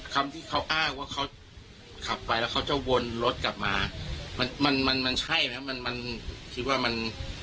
คำที่เขาอ้างว่าเขาขับไปแล้วเขาจะวนรถกลับมามันมันมันใช่ไหมมันมันคิดว่ามัน